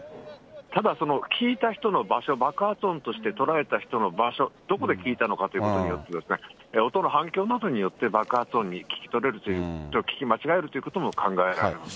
ただその聞いた人の場所、爆発音として捉えた人の場所、どこで聞いたのかということによって、音の反響などによって爆発音に聞き取れる、聞き間違えられるということも考えられます。